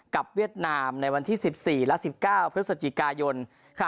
กับเวียดนามในวันที่สิบสี่และสิบเก้าพฤศจิกายนค่ะ